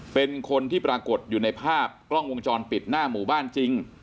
เป็นคนที่ปรากฏอยู่ในภาพกล้องวงจรปิดหน้าหมู่บ้านจริง